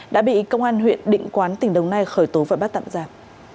đã bị công an huyện định quán tỉnh đồng nai khởi tố và bắt tạm giam